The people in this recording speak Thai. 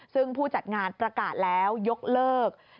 ซึ่งผู้จัดงานประกาศแล้วยกเลิก